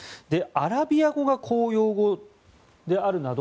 アラビア語が公用語であるなど